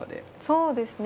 そうですね。